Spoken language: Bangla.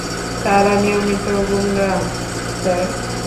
তারা নিয়মিত গুন্ডা, স্যার।